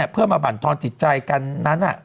เพื่อมาบรรทอนจิตใจกันนั้น